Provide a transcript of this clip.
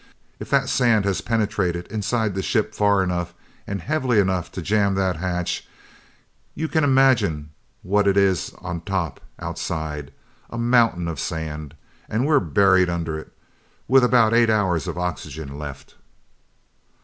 "If that sand has penetrated inside the ship far enough and heavily enough to jam that hatch, you can imagine what is on top, outside! A mountain of sand! And we're buried under it with about eight hours of oxygen left!"